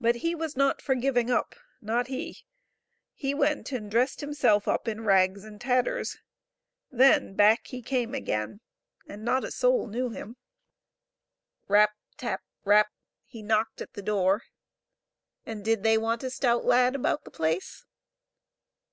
But he was not for giving up, not he ; he went and dressed himself up in rags and tatters ; then back he came again, and not a soul knew him. 270 HOW THE PRINCESSES PRIDE WAS BROKEN. Rap ! tap ! rap !— he knocked at the door, and did they want a stout lad about the place?